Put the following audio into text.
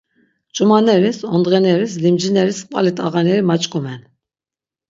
Ç̌umaneris, ondğeneris, limcineris qvali t̆ağaneri maç̆k̆omen.